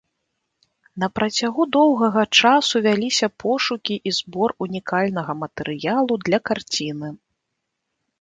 На працягу доўгага часу вяліся пошукі і збор унікальнага матэрыялу для карціны.